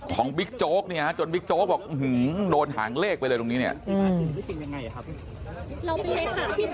บิ๊กโจ๊กเนี่ยจนบิ๊กโจ๊กบอกโดนหางเลขไปเลยตรงนี้เนี่ย